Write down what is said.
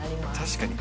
確かに。